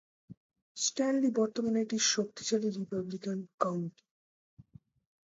Stanley বর্তমানে একটি শক্তিশালী রিপাবলিকান কাউন্টি।